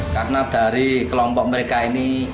karena dari kelompok mereka ini